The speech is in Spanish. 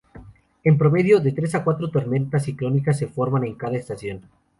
En promedio, de tres a cuatro tormentas ciclónicas se forman en cada estación.